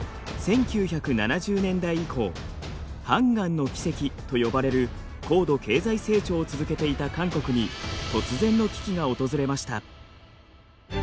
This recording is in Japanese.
１９７０年代以降漢江の奇跡と呼ばれる高度経済成長を続けていた韓国に突然の危機が訪れました。